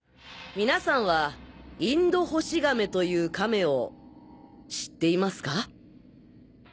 皆さんはインドホシガメというカメを知っていますか？